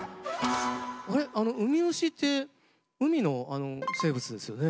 あのウミウシって海のあの生物ですよね。